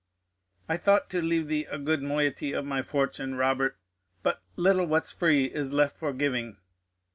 I thought to leave thee a good moiety of my fortune, Robert, but little that's free is left for giving.